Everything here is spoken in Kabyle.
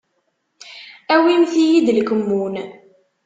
Awimt-iyi-d lkemmun.